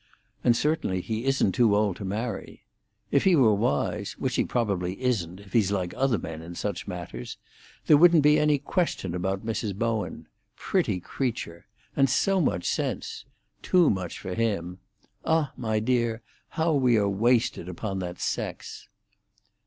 And certainly he isn't too old to marry. If he were wise—which he probably isn't, if he's like other men in such matters—there wouldn't be any question about Mrs. Bowen. Pretty creature! And so much sense! Too much for him. Ah, my dear, how we are wasted upon that sex!"